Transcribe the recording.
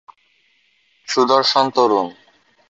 সুদর্শন তরুণ।